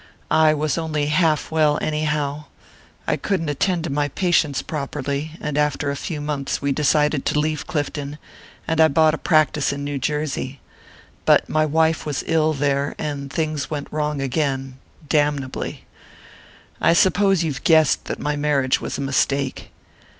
"I was only half well, anyhow I couldn't attend to my patients properly and after a few months we decided to leave Clifton, and I bought a practice in New Jersey. But my wife was ill there, and things went wrong again damnably. I suppose you've guessed that my marriage was a mistake.